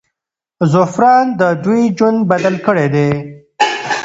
زعفران د دوی ژوند بدل کړی دی.